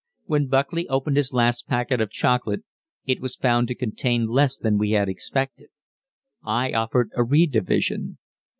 When Buckley opened his last packet of chocolate, it was found to contain less than we had expected. I offered a redivision.